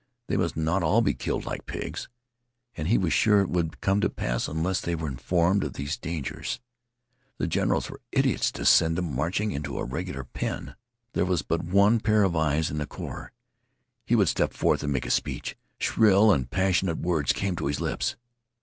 They must not all be killed like pigs; and he was sure it would come to pass unless they were informed of these dangers. The generals were idiots to send them marching into a regular pen. There was but one pair of eyes in the corps. He would step forth and make a speech. Shrill and passionate words came to his lips.